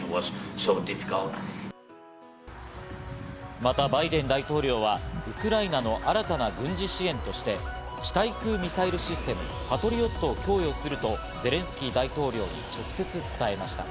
またバイデン大統領はウクライナの新たな軍事支援として、地対空ミサイルシステム、パトリオットを供与すると、ゼレンスキー大統領に直接伝えました。